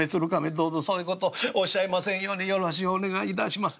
どうぞそういう事おっしゃいませんようによろしゅうお願い致します。